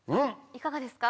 いかがですか？